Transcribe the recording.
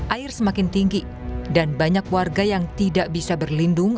air semakin tinggi dan banyak warga yang tidak bisa berlindung